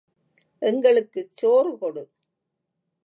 எங்களுக்குச் சோறு கொடு!